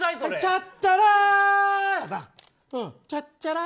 チャッチャラーやな。